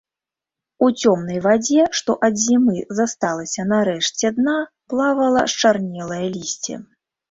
У цёмнай вадзе, што ад зімы засталася на рэшце дна, плавала счарнелае лісце.